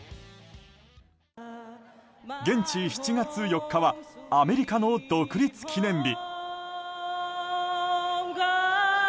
現地７月４日はアメリカの独立記念日。